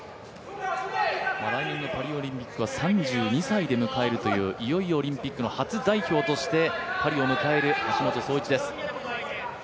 来年のパリオリンピックは３２歳で迎えるという、いよいよオリンピック初代表としてパリを迎える橋本壮市です。